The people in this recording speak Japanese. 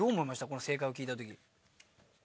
この正解を聞いた時。